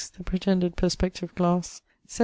The pretended perspective glasse. 7.